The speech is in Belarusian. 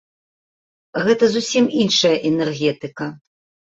Гэта зусім іншая энергетыка.